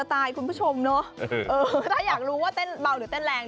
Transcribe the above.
จะตายอีกคุณผู้ชมเออถ้าอยากรู้ว่าเต้นเบาอ่ะแรง